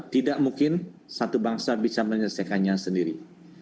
tidak mungkin satu bangsa bisa menyelesaikannya sendiri